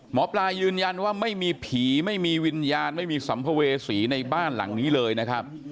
หมอปลายืนยันว่าไม่มีผีไม่มีวิญญาณไม่มีสัมภเวษีในบ้านหลังนี้เลยนะครับ